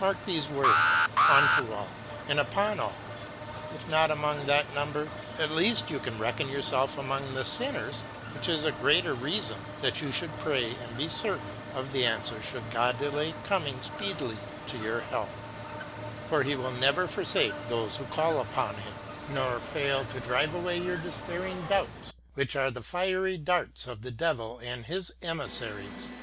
Mark these words: unio a//, and upon all. If not among that N 178 LETTERS OF MARTIN LUTHER 1528 number, at least you can reckon yourself among the sinners, which is a greater reason that you should pray and be certain of the answer should God delay coming speedily to your help ; for He will never forsake those who call upon Him, nor fail to drive away your despair ing doubts which are the fiery darts of the devil and his emissaries.